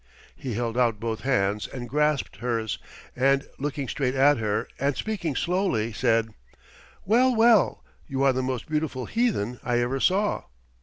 He held out both hands and grasped hers, and looking straight at her and speaking slowly, said: "Well, well, you are the most beautiful heathen I ever saw."